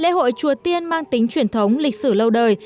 lễ hội chùa tiên mang tính truyền thống lịch sử lâu đời